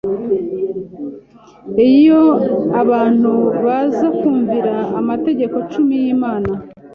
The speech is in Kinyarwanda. Iyo abantu baza kumvira Amategeko Cumi y’Imana,